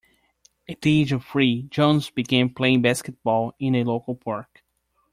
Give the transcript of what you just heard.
At the age of three, Jones began playing basketball in a local park.